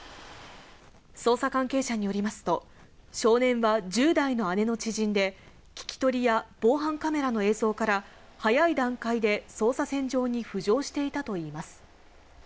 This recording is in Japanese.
捜査関係者によりますと、少年は１０代の姉の知人で、聞き取りや防犯カメラの映像から早い段階で捜査線上に浮上していたといいます。